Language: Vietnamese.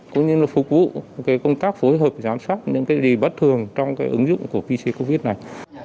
cũng như là phục vụ công tác phối hợp giám sát những cái gì bất thường trong cái ứng dụng của pc covid này